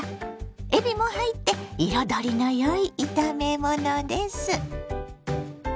えびも入って彩りのよい炒め物です。